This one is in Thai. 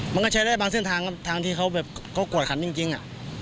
มันก็ใช้ได้บางเส้นทางครับทางที่เขาแบบเขากวดขันจริง